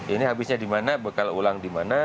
ini habisnya di mana bekal ulang di mana